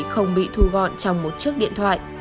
không bị thu gọn trong một chiếc điện thoại